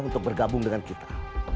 untuk bergabung dengan kita